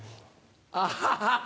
アハハ！